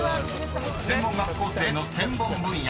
［専門学校生の専門分野